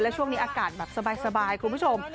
ช่วงนี้อากาศแบบสบายคุณผู้ชม